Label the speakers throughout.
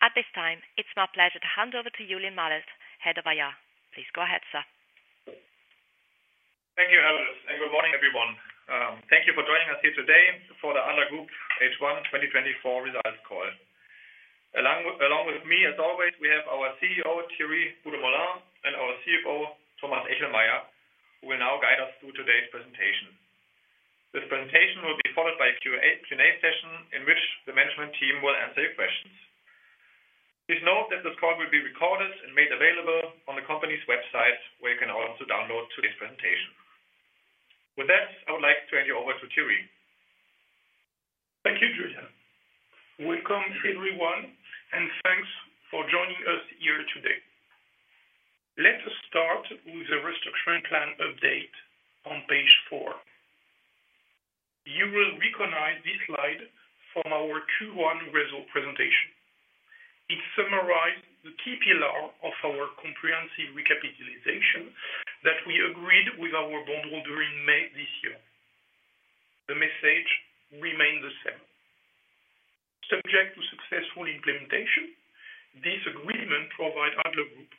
Speaker 1: At this time, it's my pleasure to hand over to Julian Mälzer, Head of IR. Please go ahead, sir.
Speaker 2: Thank you, Alice, and good morning, everyone. Thank you for joining us here today for the Adler Group H1 2024 results call. Along with me, as always, we have our CEO, Thierry Beaudemoulin, and our CFO, Thomas Echelmeyer, who will now guide us through today's presentation. This presentation will be followed by a Q&A session, in which the management team will answer your questions. Please note that this call will be recorded and made available on the company's website, where you can also download today's presentation. With that, I would like to hand you over to Thierry.
Speaker 3: Thank you, Julian. Welcome, everyone, and thanks for joining us here today. Let us start with the restructuring plan update on page four. You will recognize this slide from our Q1 result presentation. It summarized the key pillar of our comprehensive recapitalization that we agreed with our bondholder in May this year. The message remains the same. Subject to successful implementation, this agreement provide Adler Group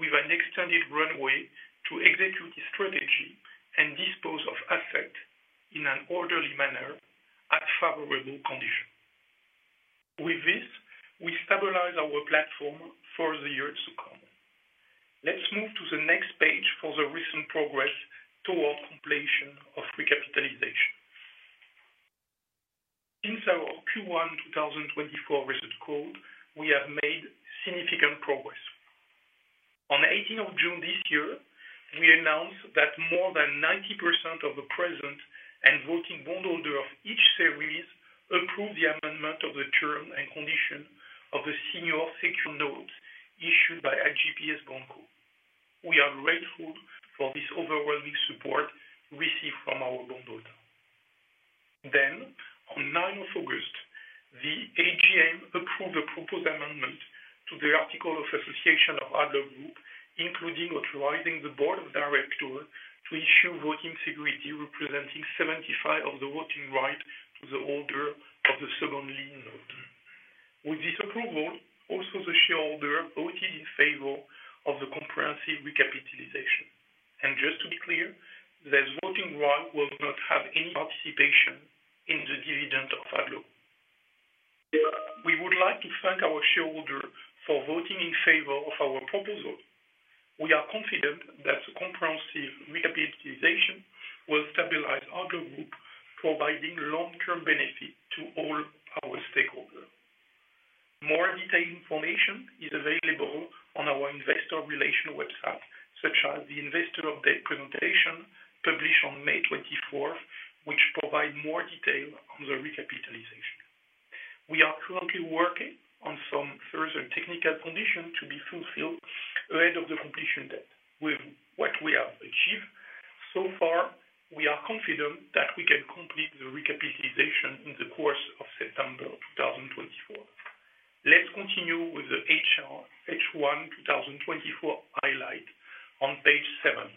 Speaker 3: with an extended runway to execute the strategy and dispose of assets in an orderly manner at favorable condition. With this, we stabilize our platform for the years to come. Let's move to the next page for the recent progress toward completion of recapitalization. Since our Q1 2024 result call, we have made significant progress. On the 18th of June this year, we announced that more than 90% of the present and voting bondholders of each series approved the amendment of the terms and conditions of the senior secured notes issued by AGPS BondCo. We are grateful for this overwhelming support received from our bondholders. On the ninth of August, the AGM approved a proposed amendment to the Articles of Association of Adler Group, including authorizing the board of directors to issue voting securities representing 75% of the voting rights to the order of the second lien holders. With this approval, also, the shareholders voted in favor of the comprehensive recapitalization. Just to be clear, this voting right will not have any participation in the dividend of Adler. We would like to thank our shareholders for voting in favor of our proposal. We are confident that the comprehensive recapitalization will stabilize Adler Group, providing long-term benefit to all our stakeholders. More detailed information is available on our investor relations website, such as the investor update presentation published on May 2024, which provide more detail on the recapitalization. We are currently working on some further technical conditions to be fulfilled ahead of the completion date. With what we have achieved so far, we are confident that we can complete the recapitalization in the course of September 2024. Let's continue with the HR, H1 2024 highlight on page seven.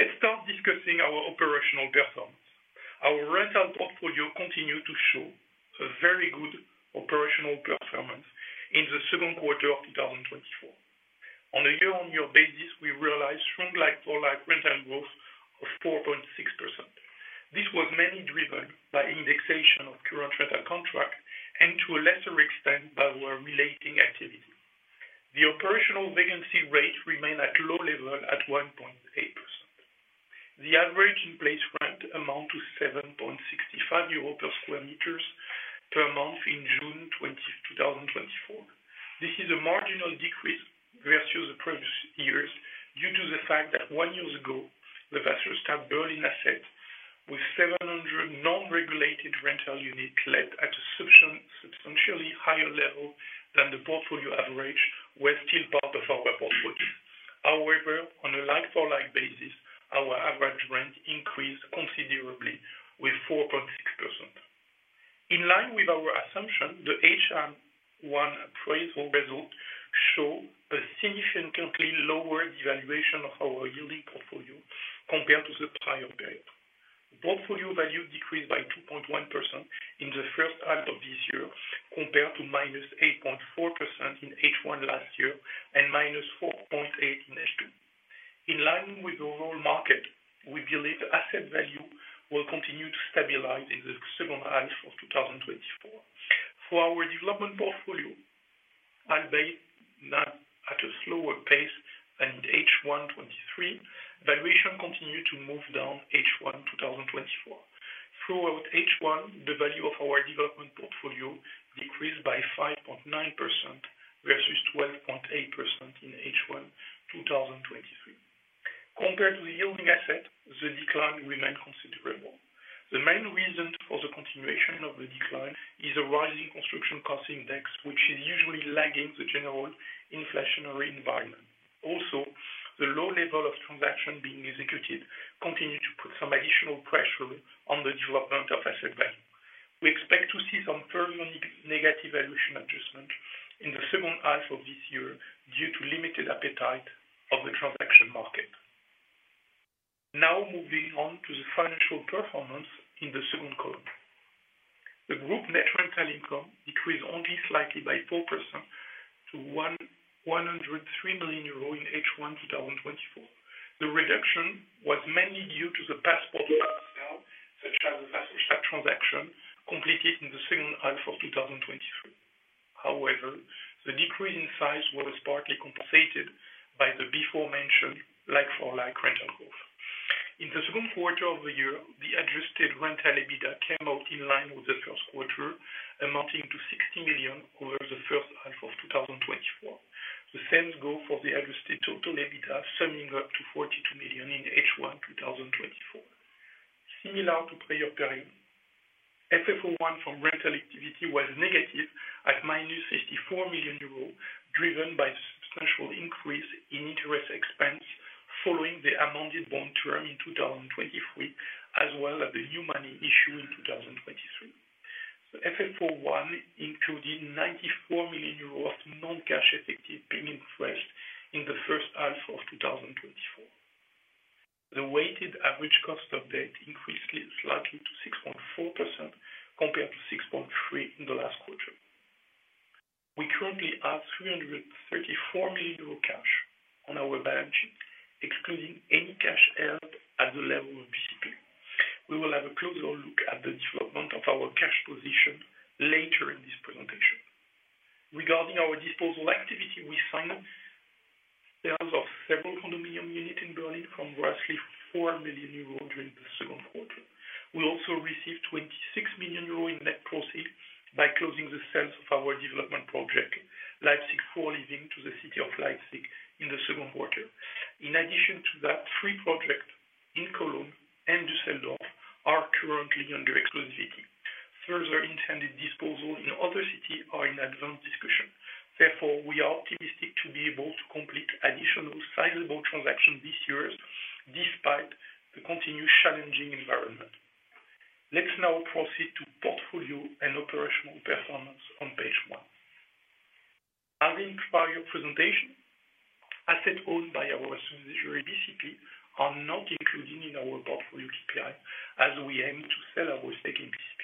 Speaker 3: Let's start discussing our operational performance. Our rental portfolio continued to show a very good operational performance in the second quarter of 2024. On a year-on-year basis, we realized strong like-for-like rental growth of 4.6%. This was mainly driven by indexation of current rental contract and to a lesser extent, by our relating activity. The operational vacancy rate remained at low level at 1.8%. The average in place rent amount to 70.65 euros per sqm/month in June 2024. This is a marginal decrease versus the previous years, due to the fact that one year ago, the Wasserstadt building asset, with 700 non-regulated rental units let at a substantially higher level than the portfolio average, were still part of our portfolio. However, on a like-for-like basis, our average rent increased considerably with 4.6%. In line with our assumption, the H1 appraisal result show a significantly lower valuation of our yielding portfolio, compared to the prior period. Portfolio value decreased by 2.1% in the first half of this year, compared to -8.4% in H1 last year, and -4.8% in H2. In line with the overall market, we believe asset value will continue to stabilize in the second half of 2024. For our development portfolio, albeit not at a slower pace than H1 2023, valuation continued to move down H1, 2024. Throughout H1, the value of our development portfolio decreased by 5.9% versus 12.8% in H1, 2023. Compared to the yielding asset, the decline remained considerable. The main reason for the continuation of the decline is a rising construction cost index, which is usually lagging the general inflationary environment. Also, the low level of transaction being executed continued to put some additional pressure on the development of asset value. We expect to see some further negative valuation in the second half of this year, due to limited appetite of the transaction market. Now moving on to the financial performance in the second quarter. The group net rental income decreased only slightly by 4% to 103 million euro in H1 2024. The reduction was mainly due to the past portfolio sale, such as the Wasserstadt transaction completed in the second half of 2023. However, the decrease in size was partly compensated by the aforementioned like-for-like rental growth. In the second quarter of the year, the Adjusted rental EBITDA came out in line with the first quarter, amounting to 60 million over the first half of 2024. The same goes for the adjusted total EBITDA, summing up to 42 million in H1 2024. Similar to pre-COVID, FFO 1 from rental activity was negative at -54 million euros, driven by substantial increase in interest expense following the amended bond term in 2023, as well as the new money issue in 2023. The FFO 1, including EUR 94 million of non-cash effective payments in the first half of 2024. The weighted average cost of debt increased slightly to 6.4%, compared to 6.3% in the last quarter. We currently have 334 million euro cash on our balance sheet, excluding any cash held at the level of BCP. We will have a closer look at the development of our cash position later in this presentation. Regarding our disposal activity, we signed sales of several condominium units in Berlin for roughly 4 million euro during the second quarter. We also received 26 million euro in net proceeds by closing the sales of our development project, Leipzig FourLiving, to the City of Leipzig in the second quarter. In addition to that, three projects in Cologne and Düsseldorf are currently under exclusivity. Further intended disposal in other cities are in advanced discussion. Therefore, we are optimistic to be able to complete additional sizable transactions this year, despite the continued challenging environment. Let's now proceed to portfolio and operational performance on page one. As in prior presentation, assets owned by our subsidiary, BCP, are not included in our portfolio KPI, as we aim to sell our stake in BCP.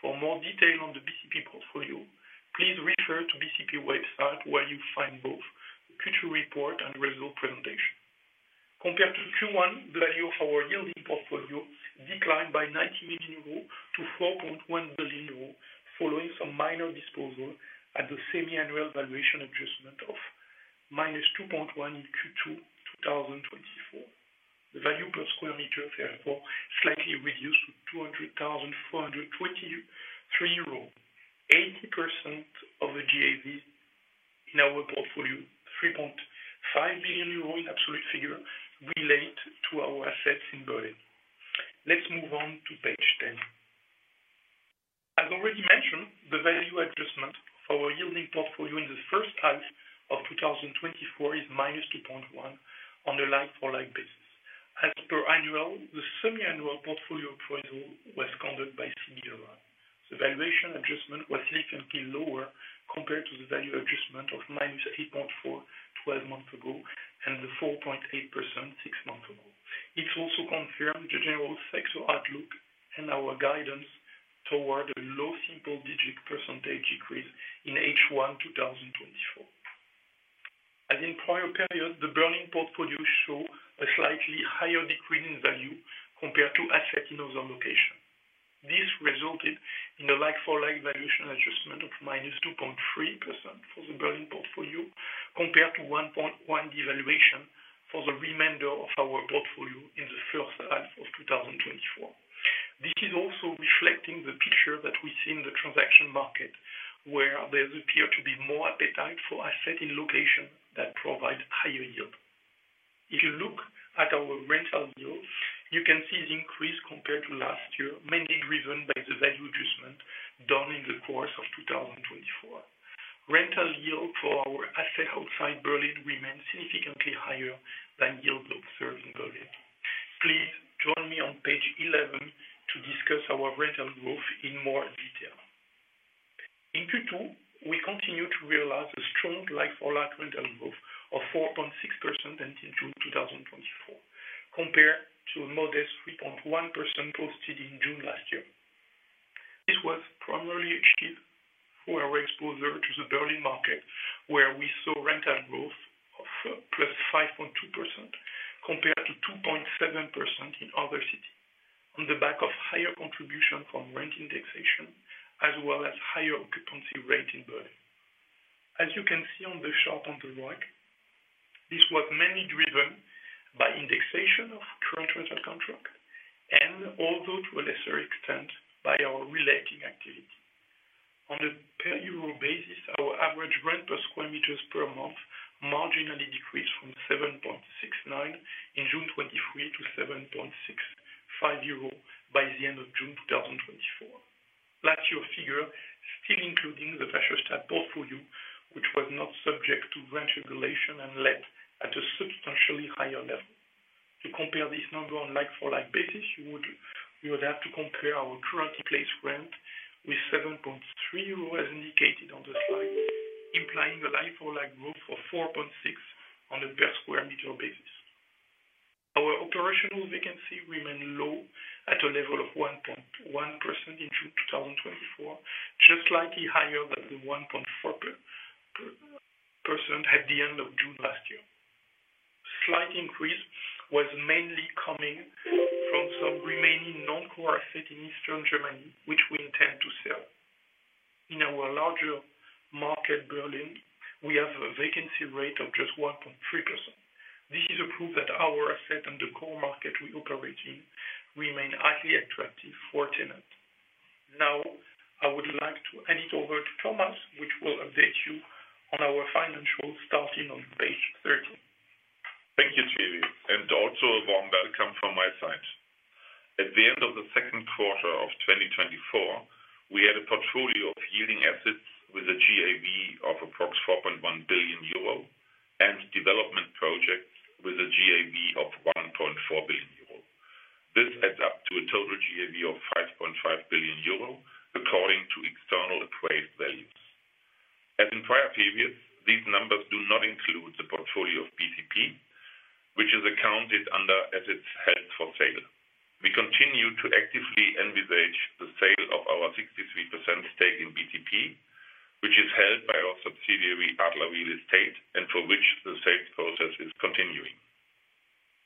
Speaker 3: For more detail on the BCP portfolio, please refer to BCP website, where you'll find both the future report and result presentation. Compared to Q1, the value of our yielding portfolio declined by 90 million euros to 4.1 billion euros, following some minor disposal at the semi-annual valuation adjustment of -2.1% in Q2 2024. The value per sq m, therefore, slightly reduced to 204,423 euros. 80% of the GAV in our portfolio, 3.5 billion euros in absolute figure, relate to our assets in Berlin. Let's move on to page 10. As already mentioned, the value adjustment for our yielding portfolio in the first half of 2024 is -2.1% on a like-for-like basis. As per annual, the semi-annual portfolio appraisal was conducted by senior. The valuation adjustment was significantly lower compared to the value adjustment of -8.4% 12 months ago, and the 4.8% six months ago. It's also confirmed the general sector outlook and our guidance toward a low single-digit percentage decrease in H1 2024. As in prior periods, the Berlin portfolio show a slightly higher decrease in value compared to assets in other locations. This resulted in a like-for-like valuation adjustment of -2.3% for the Berlin portfolio, compared to 1.1 devaluation for the remainder of our portfolio in the first half of 2024. This is also reflecting the picture that we see in the transaction market, where there appear to be more appetite for asset in location that provide higher yield. If you look at our rental yield, you can see the increase compared to last year, mainly driven by the value adjustment done in the course of 2024. Rental yield for our asset outside Berlin remains significantly higher than yields observed in Berlin. Please join me on page 11 to discuss our rental growth in more detail. In Q2, we continued to realize a strong like-for-like rental growth of 4.6% until June 2024, compared to a modest 3.1% posted in June last year. This was primarily achieved through our exposure to the Berlin market, where we saw rental growth of +5.2%, compared to 2.7% in other cities, on the back of higher contribution from rent indexation, as well as higher occupancy rate in Berlin. As you can see on the chart on the right, this was mainly driven by indexation of current rental contract, and although to a lesser extent, by our letting activity. On a per sq m basis, our average rent per sq m per month marginally decreased from 7.69 in June 2023 to 7.65 euro by the end of June 2024. Last year's figure, still including the Wasserstadt portfolio, which was not subject to rent regulation and let at a substantially higher level. To compare this number on like-for-like basis, you would have to compare our current in-place rent with 7.3 euros, as indicated on the slide, implying a like-for-like growth of 4.6% on a per sq m basis. Our operational vacancy remained low at a level of 1.1% in June 2024, just slightly higher than the 1.4% at the end of June last year. Slight increase was mainly coming from some remaining non-core asset in Eastern Germany, which we intend to sell. In our larger market, Berlin, we have a vacancy rate of just 1.3%. This is a proof that our asset and the core market we operate in remain highly attractive for tenants. Now, I would like to hand it over to Thomas, which will update you on our financials, starting on page 13.
Speaker 4: Thank you, Thierry, and also a warm welcome from my side. At the end of the second quarter of 2024, we had a portfolio of yielding assets with a GAV of approx 4.1 billion euro and development projects with a GAV of 1.4 billion euro. This adds up to a total GAV of 5.5 billion euro, according to external appraised values. As in prior periods, these numbers do not include the portfolio of BCP, which is accounted under assets held for sale. We continue to actively envisage the sale of our 63% stake in BCP, which is held by our subsidiary, Adler Real Estate, and for which the sales process is continuing.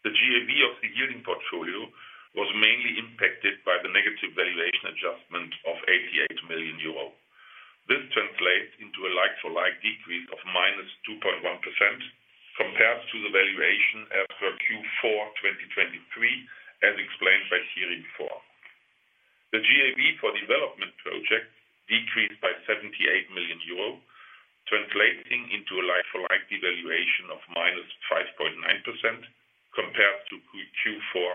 Speaker 4: The GAV of the yielding portfolio was mainly impacted by the negative valuation adjustment of 88 million euro. This translates into a like-for-like decrease of -2.1% compared to the valuation as per Q4, 2023, as explained by Thierry before. The GAV for development projects decreased by 78 million euro, translating into a like-for-like devaluation of -5.9% compared to Q4,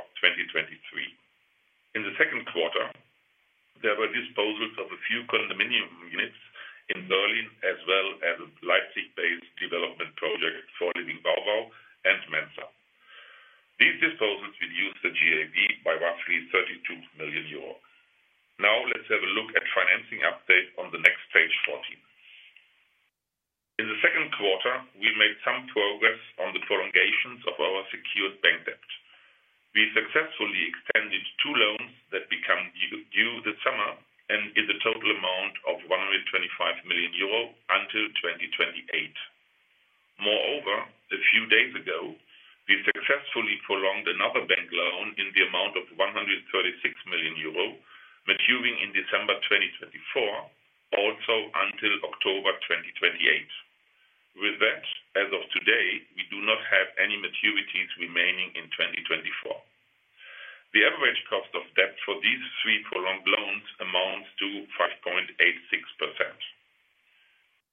Speaker 4: 2023. In the second quarter, there were disposals of a few condominium units in Berlin, as well as a Leipzig-based development project for Leipzig FourLiving VauVau. These disposals reduced the GAV by roughly 32 million euros. Now, let's have a look at financing update on the next page 14. In the second quarter, we made some progress on the prolongations of our secured bank debt. We successfully extended two loans that become due this summer and in the total amount of 125 million euro until 2028. Moreover, a few days ago, we successfully prolonged another bank loan in the amount of 136 million euro, maturing in December 2024, also until October 2028. With that, as of today, we do not have any maturities remaining in 2024. The average cost of debt for these three prolonged loans amounts to 5.86%.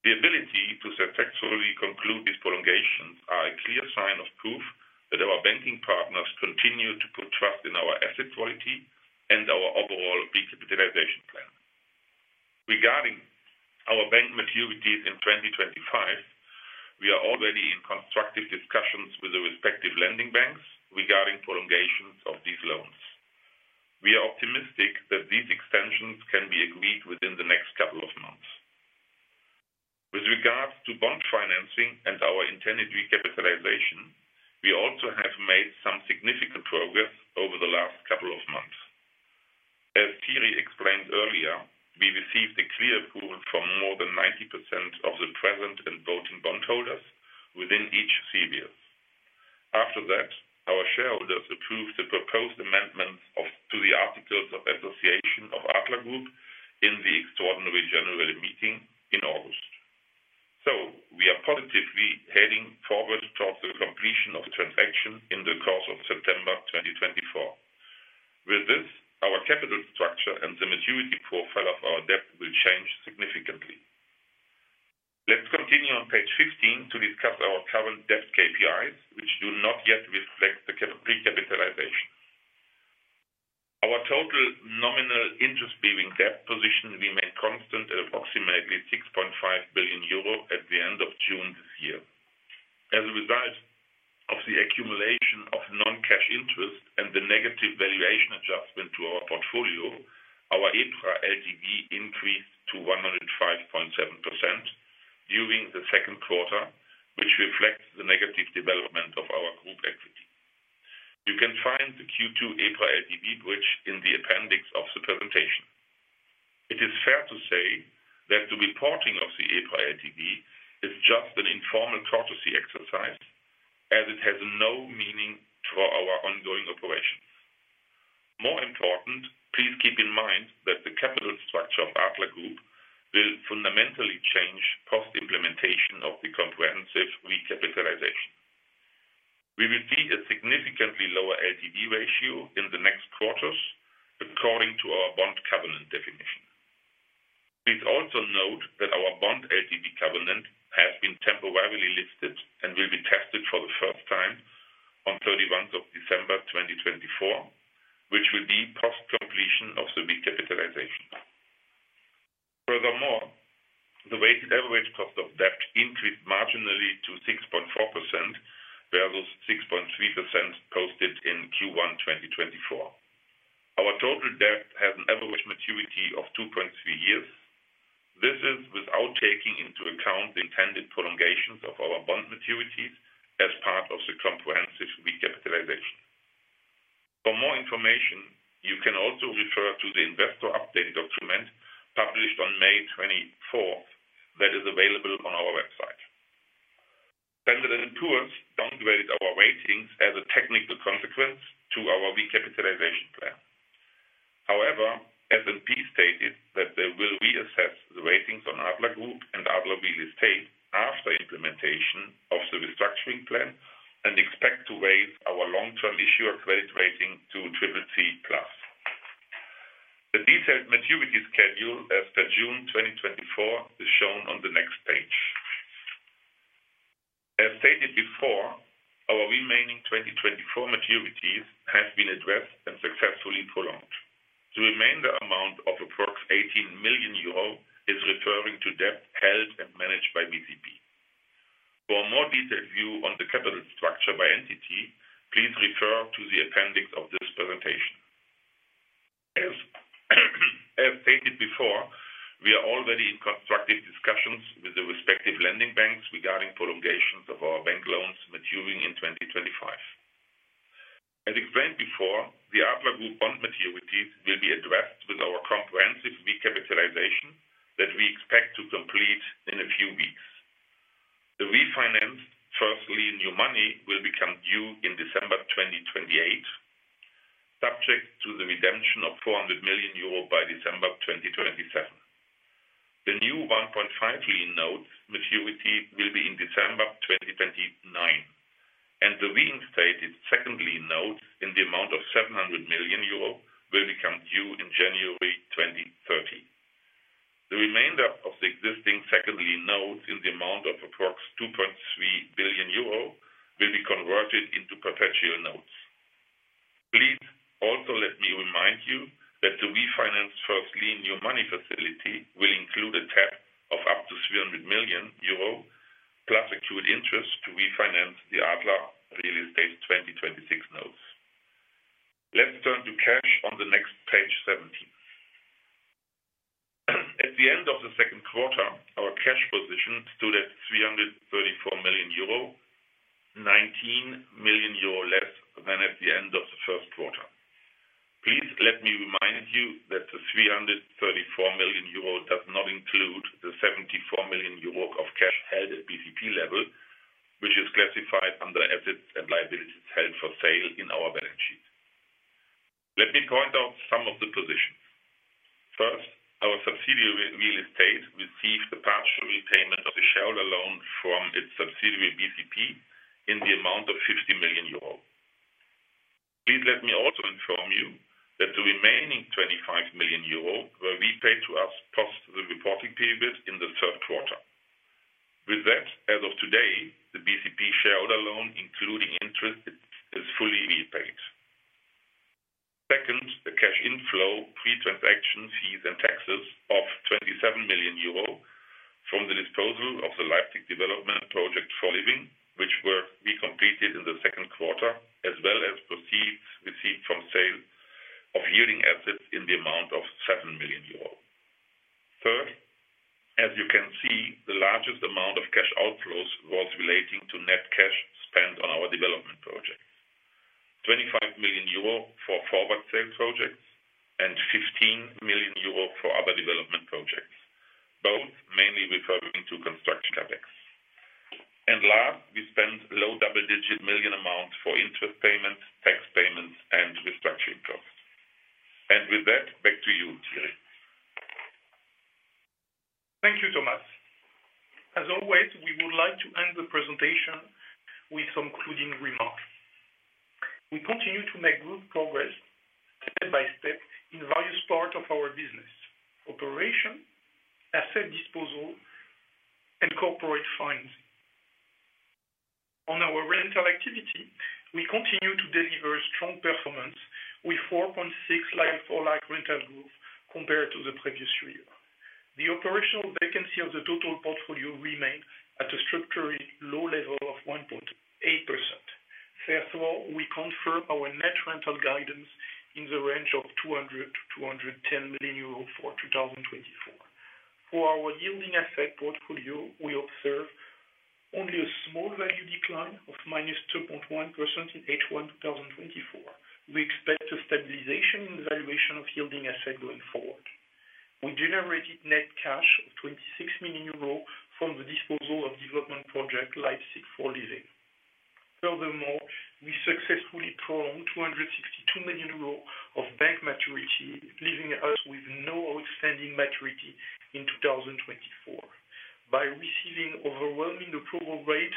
Speaker 4: The ability to successfully conclude these prolongations are a clear sign of proof that our banking partners continue to put trust in our asset quality and our overall recapitalization plan. Regarding our bank maturities in 2025, we are already in constructive discussions with the respective lending banks regarding prolongations of these loans. We are optimistic that these extensions can be agreed within the next couple of months. With regards to bond financing and our intended recapitalization, we also have made some significant progress over the last couple of months. As Thierry explained earlier, we received a clear approval from more than 90% of the present and voting bondholders within each series. After that, our shareholders approved the proposed amendments to the Articles of Association of Adler Group in the extraordinary general meeting in August. So we are positively heading forward towards the completion of the transaction in the course of September 2024. With this, our capital structure and the maturity profile of our debt will change significantly. Let's continue on page 15 to discuss our current debt KPIs, which do not yet reflect the pre-recapitalization. Our total nominal interest-bearing debt position remained constant at approximately 6.5 billion euro at the end of June this year. As a result of the accumulation of non-cash interest and the negative valuation adjustment to our portfolio, our EPRA LTV increased to 105.7% during the second quarter, which reflects the negative development of our group equity. You can find the Q2 EPRA LTV bridge in the appendix of the presentation. It is fair to say that the reporting of the EPRA LTV is just an informal courtesy exercise, as it has no meaning to our ongoing operations. More important, please keep in mind that the capital structure of Adler Group will fundamentally change post-implementation of the comprehensive recapitalization. We will see a significantly lower LTV ratio in the next quarters, according to our bond covenant definition. Please also note that our bond LTV covenant has been temporarily lifted and will be tested for the first time on December 31, 2024. marginally to 6.4%, whereas 6.3% posted in Q1 2024. Our total debt has an average maturity of 2.3 years. This is without taking into account the intended prolongations of our bond maturities as part of the comprehensive recapitalization. For more information, you can also refer to the investor update document published on May 2024, that is available on our website. Standard & Poor's downgraded our ratings as a technical consequence to our recapitalization plan. However, S&P stated that they will reassess the ratings on Adler Group and Adler Real Estate after implementation of the restructuring plan, and expect to raise our long-term issuer credit rating to CCC+. The detailed maturity schedule as per June 2024, is shown on the next page. As stated before, our remaining 2024 maturities have been addressed and successfully prolonged. The remainder amount of approx. 18 million euro is referring to debt held and managed by BCP. For a more detailed view on the capital structure by entity, please refer to the appendix of this presentation. As stated before, we are already in constructive discussions with the respective lending banks regarding prolongations of our bank loans maturing in 2025. As explained before, the Adler Group bond maturities will be addressed with our comprehensive recapitalization that we expect to complete in a few weeks. The refinanced first lien new money will become due in December 2028, subject to the redemption of 400 million euro by December 2027. The new 1.5 Lien notes maturity will be in December 2029, and the reinstated second lien note in the amount of 700 million euro will become due in January 2030. The remainder of the existing second lien notes in the amount of approximately 2.3 billion euro will be converted into perpetual notes. Please also let me remind you that the refinanced first lien new money facility will include a tap of up to 300 million euro, plus accrued interest to refinance the Adler Real Estate 2026 notes. Let's turn to cash on the next page 17. At the end of the second quarter, our cash position stood at 334 million euro, 19 million euro less than at the end of the first quarter. Please let me remind you that the 334 million euro does not include the 74 million euro of cash held at BCP level, which is classified under assets and liabilities held for sale in our balance sheet. Let me point out some of the positions. First, our subsidiary, Real Estate, received a partial repayment of the shareholder loan from its subsidiary, BCP, in the amount of 50 million euros. Please let me also inform you that the remaining 25 million euros will be paid to us post the reporting period in the third quarter. With that, as of today, the BCP shareholder loan, including interest, is fully repaid. Second, the cash inflow, pre-transaction fees and taxes of 27 million euro from the disposal of the Leipzig FourLiving development project, which were completed in the second quarter, as well as proceeds received from sale of yielding assets in the amount of 7 million euros. Third, as you can see, the largest amount of cash outflows was relating to net cash spent on our development projects. 25 million euro for forward sales projects and 15 million euro for other development projects, both mainly referring to construction CapEx. And last, we spent low double-digit million amounts for interest payments, tax payments, and restructuring costs. And with that, back to you, Thierry.
Speaker 3: Thank you, Thomas. As always, we would like to end the presentation with some concluding remarks. We continue to make good progress step by step in various parts of our business: operation, asset disposal, and corporate funds. On our rental activity, we continue to deliver strong performance with 4.6 like-for-like rental growth compared to the previous year. The operational vacancy of the total portfolio remained at a structurally low level of 1.8%. Therefore, we confirm our net rental guidance in the range of 200 million-210 million euro for 2024. For our yielding asset portfolio, we observe only a small value decline of -2.1% in H1 2024. We expect a stabilization in the valuation of yielding asset going forward. We generated net cash of 26 million euros from the disposal of development project Leipzig FourLiving. Furthermore, we successfully prolonged 262 million euros of bank maturity, leaving us with no outstanding maturity in 2024. By receiving overwhelming approval rate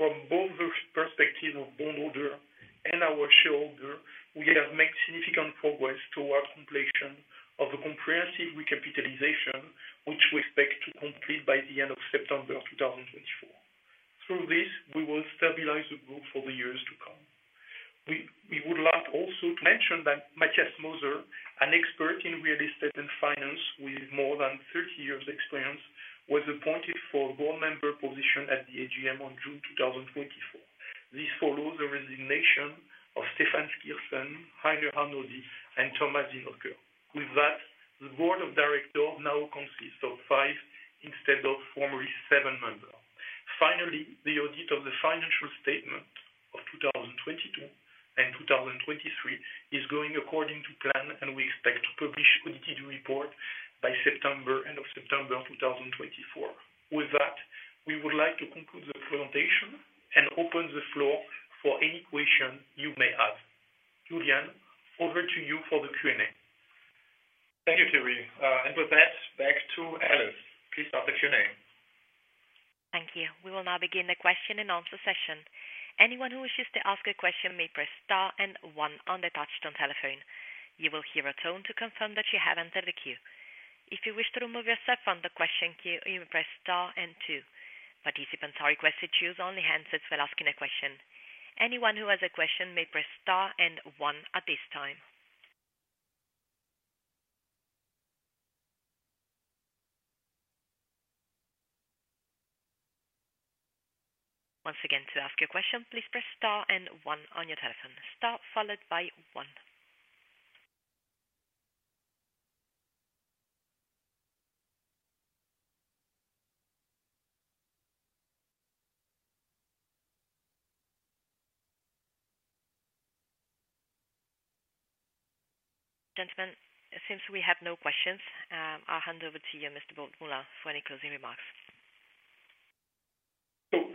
Speaker 3: from both the perspective of bondholder and our shareholder, we have made significant progress towards completion of the comprehensive recapitalization, which we expect to complete by the end of September 2024. Through this, we will stabilize the group for the years to come... We would like also to mention that Matthias Moser, an expert in real estate and finance with more than 30 years experience, was appointed for board member position at the AGM on June 2024. This follows the resignation of Stefan Kirsten, Heiner Arnoldi, and Thomas Zinnöcker. With that, the board of directors now consists of five instead of formerly seven members. Finally, the audit of the financial statement of 2022 and 2023 is going according to plan, and we expect to publish audited report by September, end of September 2024. With that, we would like to conclude the presentation and open the floor for any question you may have. Julian, over to you for the Q&A.
Speaker 2: Thank you, Thierry. And with that, back to Alice. Please start the Q&A.
Speaker 1: Thank you. We will now begin the question-and-answer session. Anyone who wishes to ask a question may press star and one on the touchtone telephone. You will hear a tone to confirm that you have entered the queue. If you wish to remove yourself from the question queue, you may press star and two. Participants are requested to use only handsets when asking a question. Anyone who has a question may press star and one at this time. Once again, to ask your question, please press star and one on your telephone. Star followed by one. Gentlemen, it seems we have no questions. I'll hand over to you, Mr. Beaudemoulin, for any closing remarks.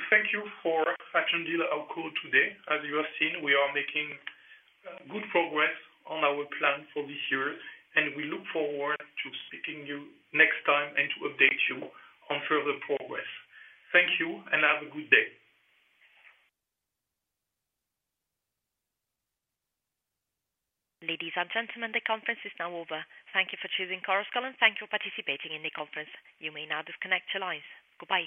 Speaker 3: So thank you for attending our call today. As you have seen, we are making good progress on our plan for this year, and we look forward to speaking to you next time and to update you on further progress. Thank you, and have a good day.
Speaker 1: Ladies and gentlemen, the conference is now over. Thank you for choosing Chorus Call, and thank you for participating in the conference. You may now disconnect your lines. Goodbye.